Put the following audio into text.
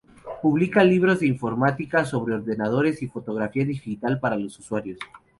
Publica libros de informática sobre ordenadores y fotografía digital para los usuarios.